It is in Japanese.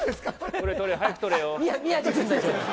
取れ取れ、早く取れよ。